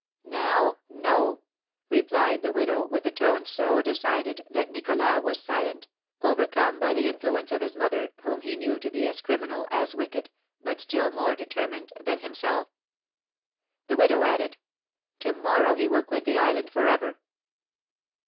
"Now? No!" replied the widow, with a tone so decided that Nicholas was silent, overcome by the influence of his mother, whom he knew to be as criminal, as wicked, but still more determined than himself. The widow added, "To morrow he will quit the island for ever."